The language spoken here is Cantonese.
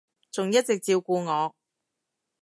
仲一直照顧我